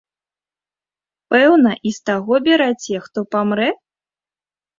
Пэўна і з таго бераце, хто памрэ?